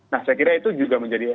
nah saya kira itu juga menjadi